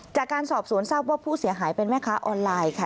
จากการสอบสวนทราบว่าผู้เสียหายเป็นแม่ค้าออนไลน์ค่ะ